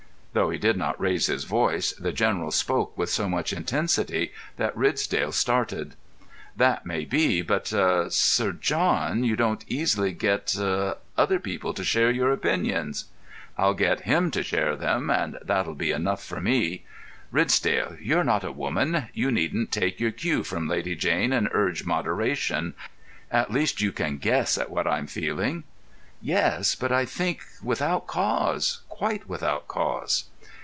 Though he did not raise his voice, the General spoke with so much intensity that Ridsdale started. "That may be; but—ah—Sir John, you won't easily get—ah—other people to share your opinions." "I'll get him to share them, and that'll be enough for me. Ridsdale, you're not a woman—you needn't take your cue from Lady Jane and urge moderation. At least you can guess at what I'm feeling." "Yes; but I think without cause—quite without cause."